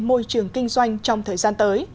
môi trường kinh doanh trong thời gian tới